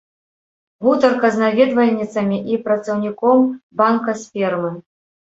Гутарка з наведвальніцамі і працаўніком банка спермы.